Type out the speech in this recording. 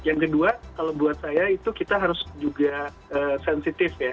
yang kedua kalau buat saya itu kita harus juga sensitif ya